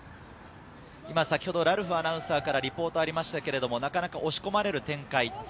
ラルフアナウンサーからリポートありましたけれど、なかなか押し込まれる展開。